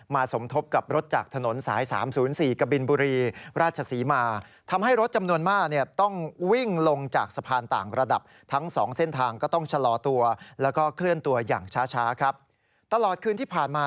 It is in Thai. มาสมทบกับรถจากถนนสาย๓๐๔กบิลบุรีราชศรีมา